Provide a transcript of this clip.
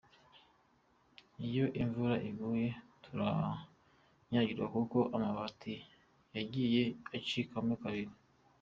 Iyo imvura iguye turanyagirwa kuko amabati yagiye acikamo kabiri.